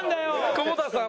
久保田さん